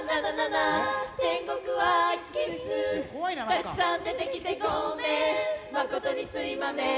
「たくさん出てきてごめんまことにすいまめん」え？